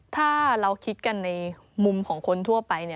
ถ้าเราคิดกันในมุมของคนทั่วไป